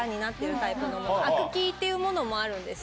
アクキーっていうものもあるんですよ。